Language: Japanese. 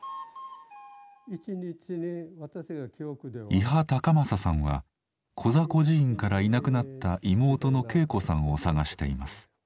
伊波孝眞さんはコザ孤児院からいなくなった妹の恵子さんを捜しています。